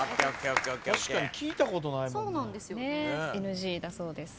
確かに聞いたことないもんな。